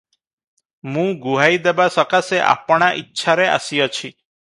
ମୁଁ ଗୁହାଇ ଦେବା ସକାଶେ ଆପଣା ଇଛାରେ ଆସିଅଛି ।